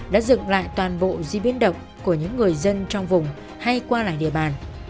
đã dựng lại toàn bộ di biến động của những người dân trong vùng hay qua lại địa bàn